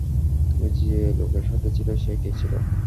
তুমি যে লোকের সাথে ছিলে সে কে ছিল?